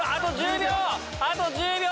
あと１０秒！